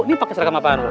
ini pake seragam apaan